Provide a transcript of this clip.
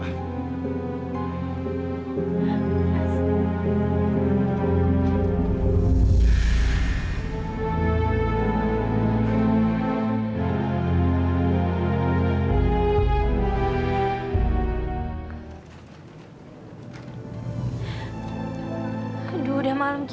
kasih beberapa ratakan panik